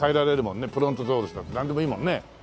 プロントザウルスだってなんでもいいもんね。